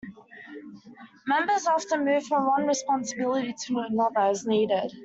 Members often move from one responsibility to another, as needed.